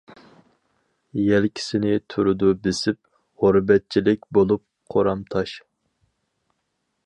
يەلكىسىنى تۇرىدۇ بېسىپ، غۇربەتچىلىك بولۇپ قورام تاش.